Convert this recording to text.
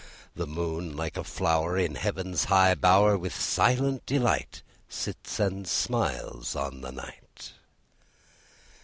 The moon, like a flower In heaven's high bower, With silent delight, Sits and smiles on the night.